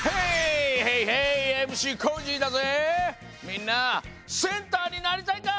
みんなセンターになりたいか！？